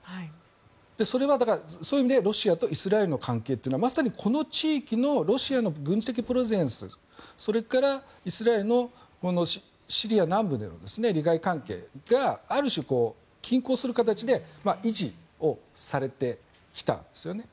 それはそういう意味でロシアとイスラエルの関係というのはまさにこの地域のロシアの軍事的プレゼンスそれからイスラエルのシリア南部への利害関係がある種、均衡する形で維持をされてきたんですよね。